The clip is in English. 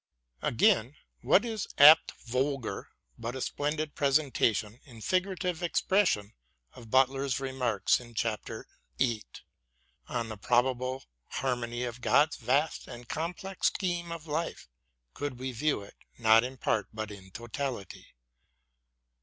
Again, what is " Abt Vogler " but a splendid presentation, in figurate expression, of Butler's remarks in chap. vii. on the probable harmony of God's vast and complex scheme of life, could we view it, not in part, but in totality